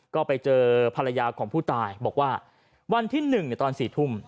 ก็ไปเจอภรรยาของผู้ตายบอกว่าวันที่๑ตอน๔ทุ่ม